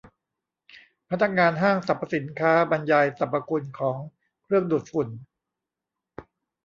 พนักงานห้างสรรพสินค้าบรรยายสรรพคุณของเครื่องดูดฝุ่น